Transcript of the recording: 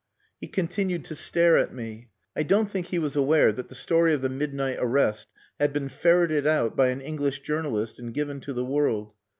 He continued to stare at me. I don't think he was aware that the story of the midnight arrest had been ferreted out by an English journalist and given to the world.